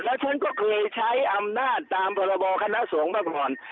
แล้วฉันก็เคยใช้อำนาจตามพรบคณะสงฆ์มาก่อน